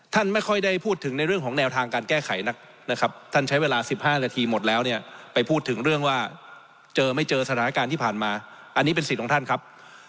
ไม่ค่อยได้พูดถึงในเรื่องของแนวทางการแก้ไขนักนะครับท่านใช้เวลา๑๕นาทีหมดแล้วเนี่ยไปพูดถึงเรื่องว่าเจอไม่เจอสถานการณ์ที่ผ่านมาอันนี้เป็นสิทธิ์ของท่านครับ